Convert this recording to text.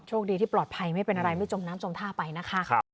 ดีที่ปลอดภัยไม่เป็นอะไรไม่จมน้ำจมท่าไปนะคะ